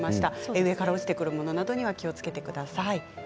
上から落ちてくる物などには注意してください。